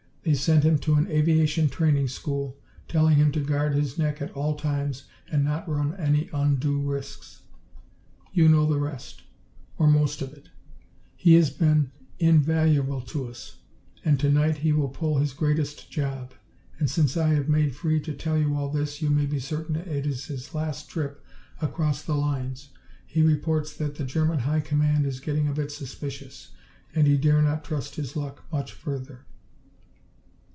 They sent him to an aviation training school, telling him to guard his neck at all times and not run any undue risks. "You know the rest or most of it. He has been invaluable to us, and to night he will pull his greatest job. And since I have made free to tell you all this, you may be certain it is his last trip across the lines. He reports that the German High Command is getting a bit suspicious, and he dare not trust his luck much further."